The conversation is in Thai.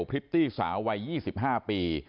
พฤติสาววัย๒๕ปี